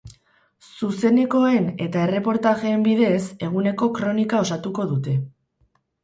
Zuzenekoen eta erreportajeen bidez, eguneko kronika osatuko dute.